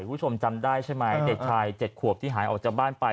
คุณผู้ชมจำได้ใช่ไหมเด็กชาย๗ขวบที่หายออกจากบ้านไป